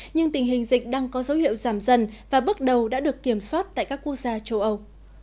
nhưng tình hình dịch đang có dấu hiệu giảm dần và bước đầu đã được kiểm soát tại các quốc gia châu âu